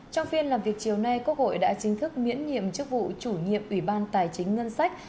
trong phiên làm việc chiều nay quốc hội đã chính thức miễn nhiệm chức vụ chủ nhiệm ủy ban tài chính ngân sách